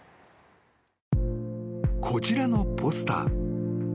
［こちらのポスター］